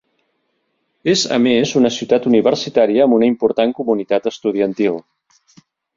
És a més una ciutat universitària amb una important comunitat estudiantil.